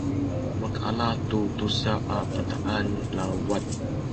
makaala tu tusa a bataan lawat